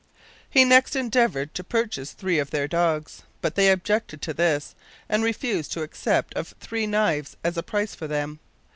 He next endeavored to purchase three of their dogs, but they objected to this, and refused to accept of three knives as a price for them.